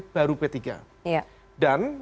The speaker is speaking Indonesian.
baru p tiga dan